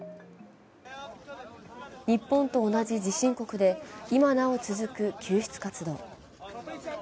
日本と同じ地震国で今なお続く救出活動。